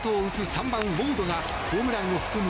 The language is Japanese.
３番ウォードがホームランを含む